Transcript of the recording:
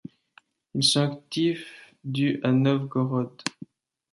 Ils sont actifs du à Novgorod.